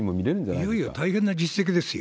いやいや、大変な実績ですよ。